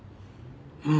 うん。